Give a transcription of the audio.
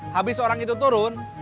habis orang itu turun